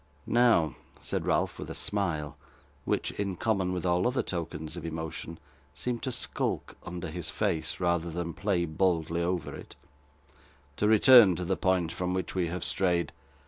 'Now,' said Ralph, with a smile, which, in common with all other tokens of emotion, seemed to skulk under his face, rather than play boldly over it 'to return to the point from which we have strayed.